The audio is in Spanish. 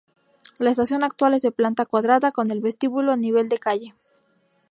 La estación actual es de planta cuadrada, con el vestíbulo a nivel de calle.